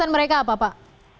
pekan apa pak